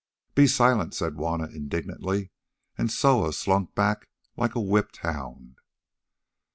"Be silent," said Juanna indignantly, and Soa slunk back like a whipped hound.